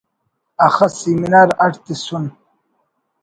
اخس سیمینار اڈ تسن